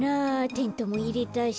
テントもいれたし。